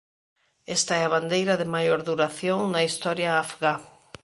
Esta é a bandeira de maior duración na historia afgá.